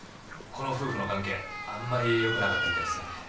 この夫婦の関係あんまりよくなかったみたいですね。